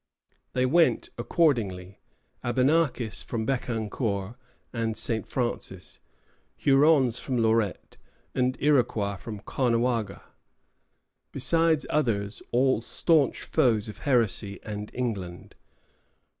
They went accordingly, Abenakis from Becancour and St. Francis, Hurons from Lorette, and Iroquois from Caughnawaga, besides others, all stanch foes of heresy and England.